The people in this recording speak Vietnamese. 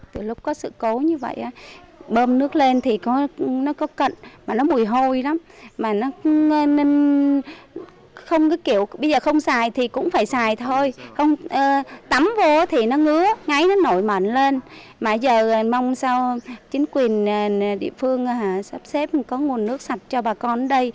từ lúc có sự cố như vậy bơm nước lên thì nó có cận mà nó mùi hôi lắm bây giờ không xài thì cũng phải xài thôi tắm vô thì nó ngứa ngáy nó nổi mần lên mà giờ mong sao chính quyền địa phương sắp xếp có nguồn nước sạch cho bà con đây